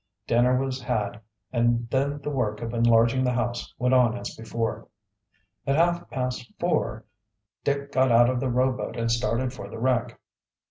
Dinner was had, and then the work of enlarging the house went on as before. At half past four Dick got out the rowboat and started for the wreck.